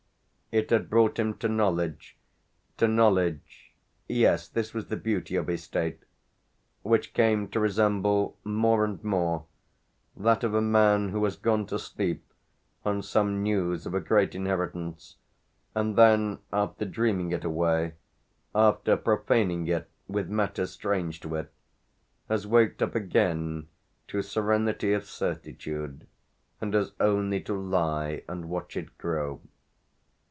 It had brought him to knowledge, to knowledge yes, this was the beauty of his state; which came to resemble more and more that of a man who has gone to sleep on some news of a great inheritance, and then, after dreaming it away, after profaning it with matters strange to it, has waked up again to serenity of certitude and has only to lie and watch it grow.